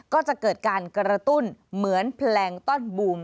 ก็จะเกิดการกระตุ้นเหมือนแพลงต้อนบูม